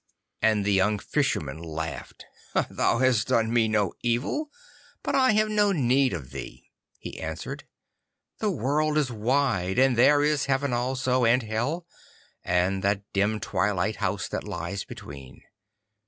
And the young Fisherman laughed. 'Thou hast done me no evil, but I have no need of thee,' he answered. 'The world is wide, and there is Heaven also, and Hell, and that dim twilight house that lies between.